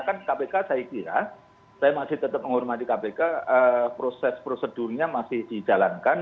kan kpk saya kira saya masih tetap menghormati kpk proses prosedurnya masih dijalankan